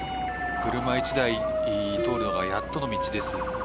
車１台通るのがやっとの道です。